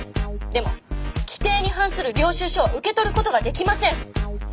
でも規定に反する領収書は受け取ることができません。